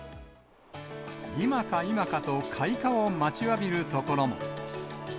今か今かと開花を待ちわびる所も。